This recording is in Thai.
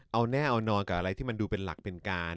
เอาแน่เอานอนกับอะไรที่มันดูเป็นหลักเป็นการ